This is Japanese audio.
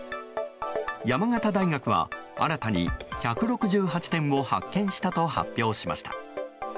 山形大学は、新たに１６８点を発見したと発表しました。